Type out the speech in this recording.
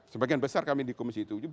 sebagian besar kami di komisi tujuh